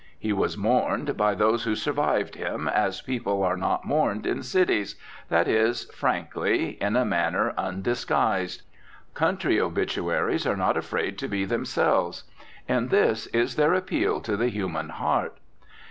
He was "mourned," by those who "survived" him, as people are not mourned in cities, that is, frankly, in a manner undisguised. Country obituaries are not afraid to be themselves. In this is their appeal to the human heart.